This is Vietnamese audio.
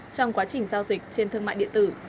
trong quá trình giao dịch trên thương mại điện tử